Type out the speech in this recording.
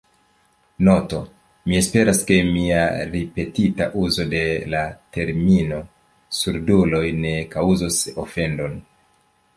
Noto: Mi esperas, ke mia ripetita uzo de la termino surduloj ne kaŭzos ofendon.